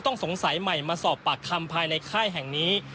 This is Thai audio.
ต้องสงสัยใหม่มาสอบปากคำภายในค่ายแห่งนี้